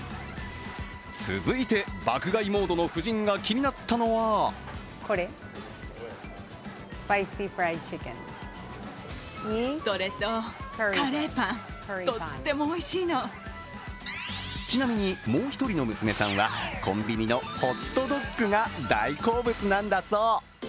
続いて爆買いモードの夫人が気になったのはちなみに、もう一人の娘さんはコンビニのホットドッグが大好物なんだそう。